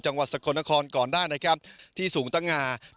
จังหวัดสกลนครก่อนได้ที่สูงตังค์อย่างตะง่า